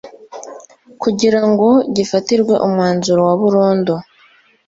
kugira ngo gifatirwe umwanzuro wa burundu